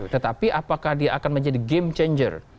tetapi apakah dia akan menjadi game changer